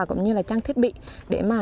cũng như trang thiết bị để